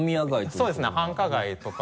そうですね繁華街とか。